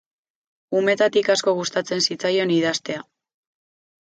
Umetatik asko gustatzen zitzaion idaztea.